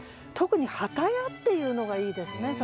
特に「機屋」っていうのがいいですね